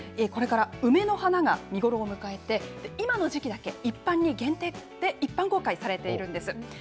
これから梅の花が見頃を迎えて、今の時期だけ、一般に限定で、一般公開されているんです。